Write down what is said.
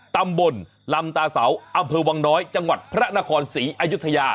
ตำบลลำตาเสาอำเภอวังน้อยจังหวัดพระนครศรีอายุทยา